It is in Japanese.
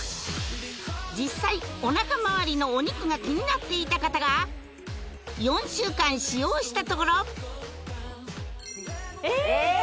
実際お腹まわりのお肉が気になっていた方がしたところえーっ